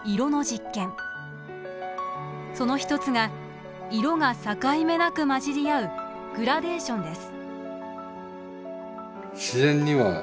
その一つが色が境目なく混じり合うグラデーションです。